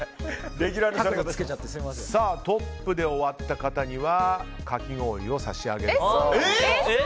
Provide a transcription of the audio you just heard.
トップで終わった方にはかき氷を差し上げます。